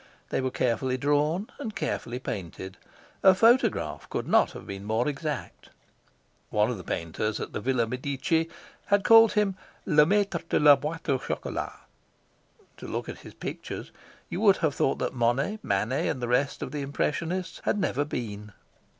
They were carefully drawn and carefully painted. A photograph could not have been more exact. One of the painters at the Villa Medici had called him To look at his pictures you would have thought that Monet, Manet, and the rest of the Impressionists had never been.